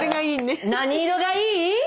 何色がいい？